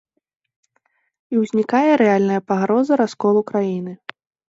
І ўзнікае рэальная пагроза расколу краіны.